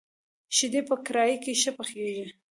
شيدې په کړايي کي ښه پخېږي.